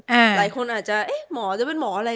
หลายคนอาจจะเอ๊ะหมอจะเป็นหมออะไร